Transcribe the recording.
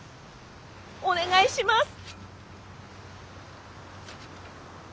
お願いします！